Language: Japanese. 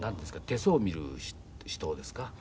手相を見る人ですか。